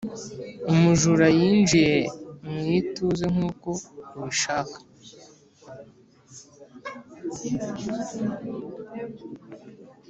umujura yinjiye mu ituze nkuko ubishaka.